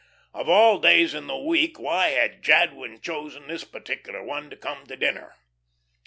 Of all days in the week, why had Jadwin chosen this particular one to come to dinner.